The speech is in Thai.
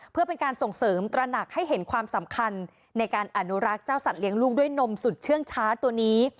เพื่อเป็นการส่งเสริมตระหนักให้เห็นความสำคัญในการอนุรักษ์เจ้าสัตเลี้ยงลูกด้วยนมสุดเชื่องช้าตัวนี้